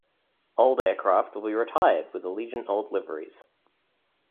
Old Aircraft will be retired with Allegiant old liveries.